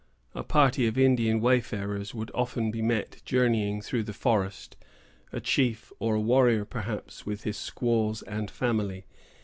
A party of Indian wayfarers would often be met journeying through the forest, a chief, or a warrior, perhaps, with his squaws and family.